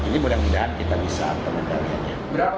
ini mudah mudahan kita bisa pengendaliannya